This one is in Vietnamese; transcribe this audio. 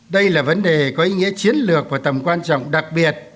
đây là vấn đề có ý nghĩa chiến lược và tầm quan trọng đặc biệt